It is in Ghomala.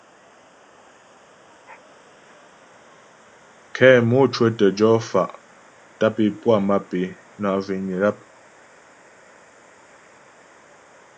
Kɛ mò cwə̌tə jɔ fa' tâp é puá mâp é na' zhwényə yap.